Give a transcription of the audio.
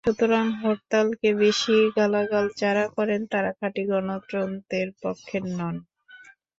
সুতরাং হরতালকে বেশি গালাগাল যাঁরা করেন, তাঁরা খাঁটি গণতন্ত্রের পক্ষের নন।